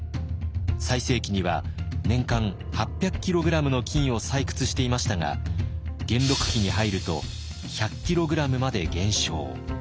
最盛期には年間８００ｋｇの金を採掘していましたが元禄期に入ると１００ｋｇまで減少。